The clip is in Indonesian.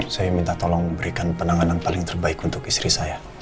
saya minta tolong berikan penanganan paling terbaik untuk istri saya